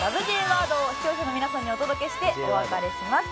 Ｊワードを視聴者の皆さんにお届けしてお別れします。